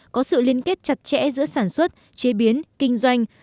có sự liên kết chặt chẽ giữa sản xuất chế biến kinh doanh